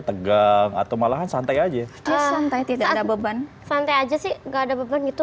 tegang atau malahan santai aja santai tidak ada beban santai aja sih enggak ada beban itu